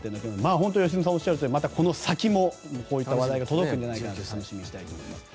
本当に良純さんがおっしゃるようにこの先もこういう話題が届くんじゃないかと楽しみにしたいと思います。